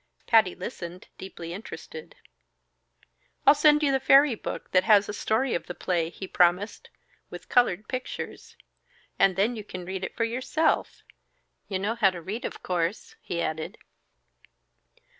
Patty listened, deeply interested. "I'll send you the fairy book that has the story of the play," he promised, "with colored pictures; and then you can read it for yourself. You know how to read, of course?" he added.